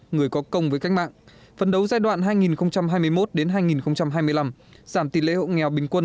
người có công với cách mạng phấn đấu giai đoạn hai nghìn hai mươi một hai nghìn hai mươi năm giảm tỷ lệ hộ nghèo bình quân